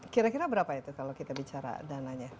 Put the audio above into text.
kira kira berapa itu kalau kita bicara dananya